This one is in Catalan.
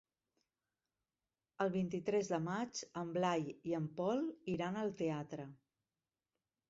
El vint-i-tres de maig en Blai i en Pol iran al teatre.